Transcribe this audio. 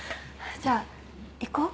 じゃあ行こう。